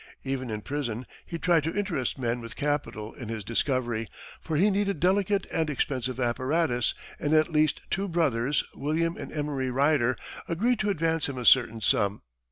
Even in prison, he tried to interest men with capital in his discovery, for he needed delicate and expensive apparatus, and at last two brothers, William and Emory Rider agreed to advance him a certain sum.